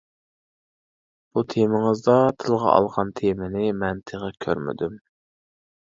بۇ تېمىڭىزدا تىلغا ئالغان تېمىنى مەن تېخى كۆرمىدىم.